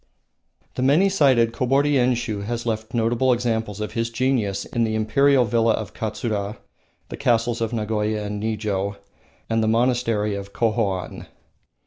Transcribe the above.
The many sided Kobori Enshiu has left notable examples of his genius in the Imperial villa of Katsura, the castles of Nagoya and Nijo, and the monastery of Kohoan.